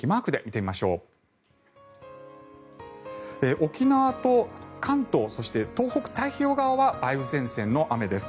沖縄と関東そして東北太平洋側は梅雨前線の雨です。